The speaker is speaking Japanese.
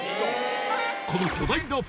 この巨大な袋